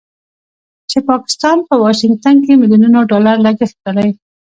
چې پاکستان په واشنګټن کې مليونونو ډالر لګښت کړی